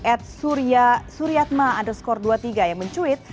ed suryatma underscore dua puluh tiga yang mencuit